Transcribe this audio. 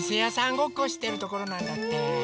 ごっこしてるところなんだって。